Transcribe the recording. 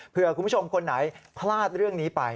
เพื่อคุณผู้ชมคนไหนพลาดเรื่องนี้ไป